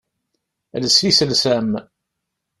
Els iselsa-m!